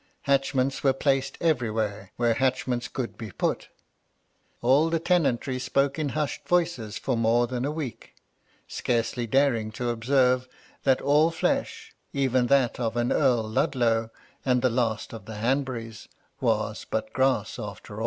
Hatchments were placed everywhere, where hatchments could be put. All the tenantry spoke in hushed voices for more than a week, scarcely daring to observe that all flesh, even that of an Earl Ludlow, and the last of the Hanburys, was but grass after aU.